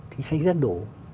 chính sách rất đủ